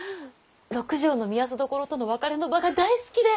六条の御息所との別れの場が大好きで！